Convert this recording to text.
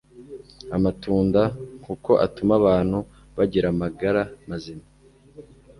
amatunda kuko atuma abantu bagira amagara mazima.